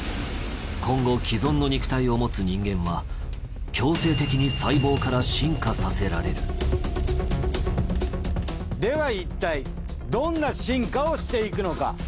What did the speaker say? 今後既存の肉体を持つ人間は強制的に細胞から進化させられるではいったいどんな進化をしていくのか。